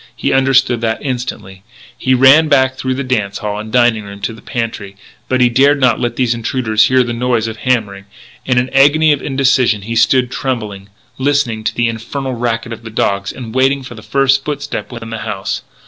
He understood that instantly. He ran back through the dance hall and dining room to the pantry; but he dared not let these intruders hear the noise of hammering. In an agony of indecision he stood trembling, listening to the infernal racket of the dogs, and waiting for the first footstep within the house.